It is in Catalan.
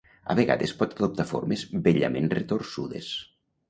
A vegades pot adoptar formes bellament retorçudes.